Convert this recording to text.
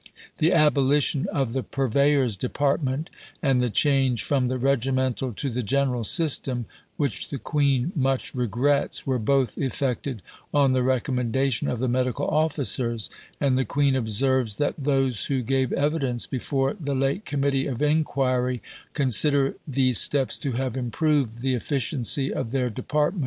The abolition of the Purveyor's Department and the change from the Regimental to the General system which The Queen much regrets were both effected on the recommendation of the Medical officers, and The Queen observes that those who gave evidence before the late Committee of Enquiry consider these steps to have improved the efficiency of their Department.